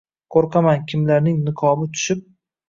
Qo’rqaman, kimlarning niqobi tushib